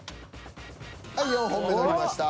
はい４本目乗りました。